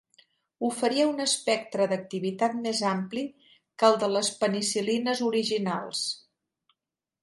Oferia un espectre d'activitat més ampli que el de les penicil·lines originals.